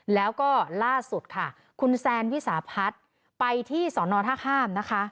แล้วก็ล่าสุดค่ะคุณแซนวิสาพัฒน์ไปที่สอนอท่าข้ามนะคะ